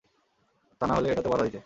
তানাহলে এটাতেও বাধা দিতে।